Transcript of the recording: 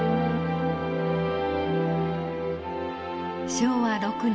昭和６年。